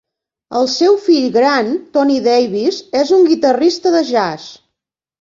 El seu fill gran, Tony Davis, és un guitarrista de jazz.